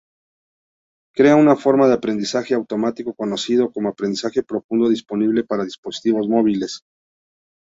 Crea una forma de aprendizaje automático conocido como aprendizaje profundo disponible para dispositivos móviles.